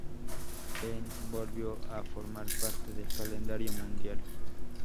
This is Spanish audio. En volvió a formar parte del calendario mundial.